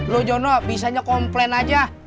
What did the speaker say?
loh jono bisanya komplain aja